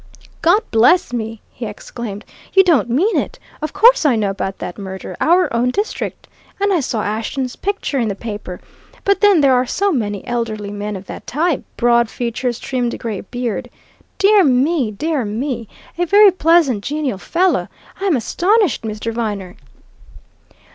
"God bless me!" he exclaimed. "You don't mean it! Of course, I know about that murder our own district. And I saw Ashton's picture in the paper but then there are so many elderly men of that type broad features, trimmed grey beard! Dear me, dear me! A very pleasant, genial fellow. I'm astonished, Mr. Viner."